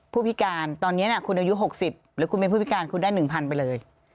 ผู้พิการตอนนี้คุณอายุ๖๐หรือคุณเป็นผู้พิการคุณได้๑๐๐ไปเลย